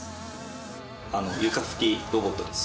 床拭きロボットです。